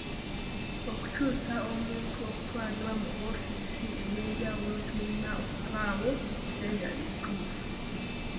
Okukyusa omuntu okutwalibwa mu woofiisi ey'enjawulo kirina okubaawo mu kiseera ekituufu.